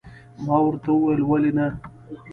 ما ورته وویل، ولې نه.